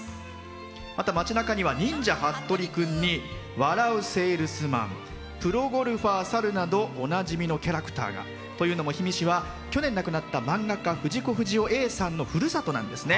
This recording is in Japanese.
また町なかには「忍者ハットリくん」に「笑ゥせぇるすまん」「プロゴルファー猿」などおなじみのキャラクターが。というのみ氷見市は去年、亡くなった漫画家・藤子不二雄Ａさんのふるさとなんですね。